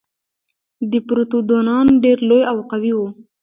ديپروتودونان ډېر لوی او قوي وو.